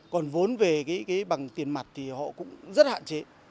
còn vốn về cái bằng tiền mặt thì họ cũng rất hạn chế